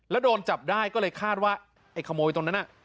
แล้วโดนจับได้ก็เลยคาดว่าไอ้ขโมยตรงนั้นน่ะ